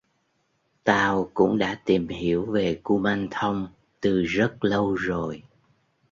Tao cũng đã tìm hiểu về ku man thong từ rất lâu rồi